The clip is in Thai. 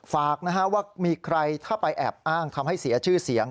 ฝากนะฮะว่ามีใครถ้าไปแอบอ้างทำให้เสียชื่อเสียง